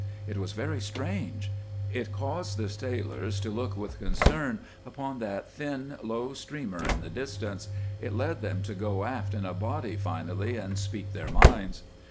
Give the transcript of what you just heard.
It was very strange. It caused the sailors to look with concern upon that thin, low streamer in the distance; it led them to go aft in a body finally and speak their minds.